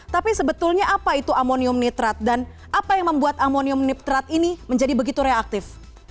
tapi sebetulnya apa itu amonium nitrat dan apa yang membuat amonium niptrat ini menjadi begitu reaktif